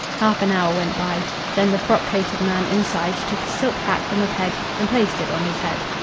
Half an hour went by. Then the frock coated man inside took a silk hat from a peg and placed it on his head.